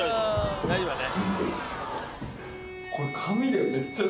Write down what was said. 大丈夫だね。